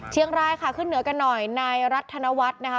เชียงรายค่ะขึ้นเหนือกันหน่อยนายรัฐธนวัฒน์นะคะ